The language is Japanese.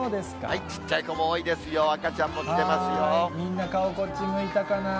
ちっちゃい子も多いですよ、みんな顔、こっち向いたかな？